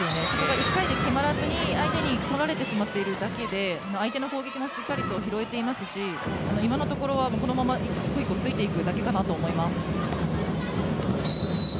１回で決まらずに相手に取られてしまっているだけで相手の攻撃もしっかりと拾えていますし今のところはこのまま１個１個ついていくだけかなと思います。